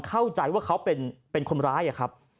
เข้าใจว่าเขาเป็นคนร้ายครับ